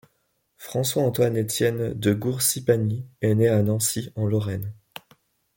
François Antoine Etienne de Gourcy-Pagny est né à Nancy en Lorraine.